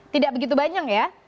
tidak begitu banyak ya